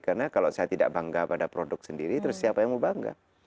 karena kalau saya tidak bangga pada produk sendiri terus siapa yang mau bangga